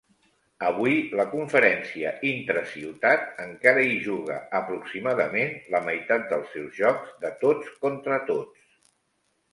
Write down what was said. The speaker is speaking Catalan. Avui, la conferència intra-ciutat encara hi juga aproximadament la meitat dels seus jocs de tots contra tots.